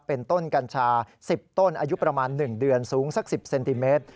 เป็นต้นกัญชา๑๐ต้นอายุประมาณ๑เดือนสูงสัก๑๐เซนติเมตร